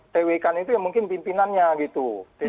tw kan itu ya mungkin pimpinannya gitu